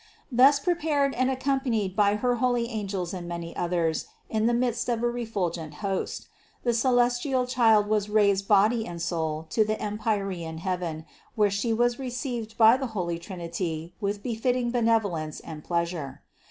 Thus prepared and ac companied by her holy angels and many others, in the midst of a refulgent host, the celestial Child was raised body and soul to the empyrean heaven, where She was received by the holy Trinity with befitting benevolence and pleasure.